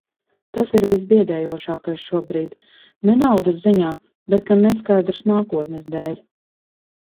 Tas ir visbiedējošākais šobrīd, ne naudas ziņā, bet gan neskaidras nākotnes dēļ.